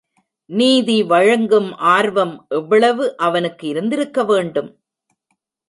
நீதி வழங்கும் ஆர்வம் எவ்வளவு அவனுக்கு இருந்திருக்க வேண்டும்?